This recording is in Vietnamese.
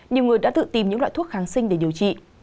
nhiều người đã tự tìm những loại thuốc kháng sinh để điều trị